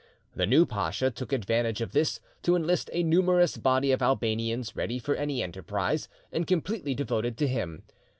The new pacha took advantage of this to enlist a numerous body of Albanians ready for any enterprise, and completely devoted to him.